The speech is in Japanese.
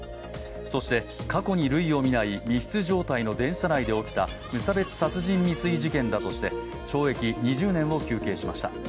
そして、過去に類を見ない密室状態の電車内で起きた無差別殺人未遂事件だとして懲役２０年を求刑しました。